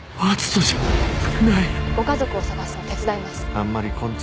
ご家族を捜すの手伝います。